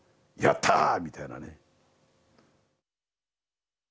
やった！みたいなね。